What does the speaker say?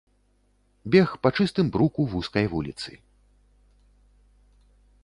Бег па чыстым бруку вузкай вуліцы.